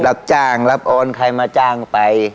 รับจ้างรับโอนใครมาจ้างไป